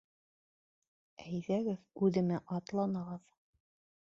Әйҙәгеҙ, үҙемә атланығыҙ.